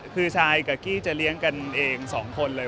คือชายกับกี้จะเลี้ยงกันเอง๒คนเลย